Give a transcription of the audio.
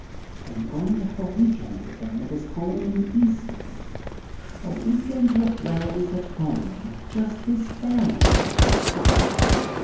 I am going to have a week end with him at his home in Easton, a week end with Wells at home, with just his family.